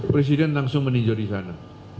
presiden langsung meninjau di sana